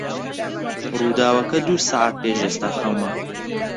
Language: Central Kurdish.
ڕووداوەکە دوو سەعات پێش ئێستا قەوما.